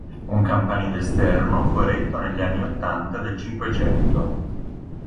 Un campanile esterno fu eretto negli anni ottanta del Cinquecento.